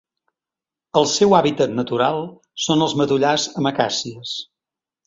El seu hàbitat natural són els matollars amb acàcies.